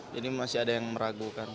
jadi masih ada yang meragukan